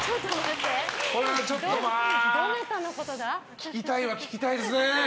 聞きたいは聞きたいですね。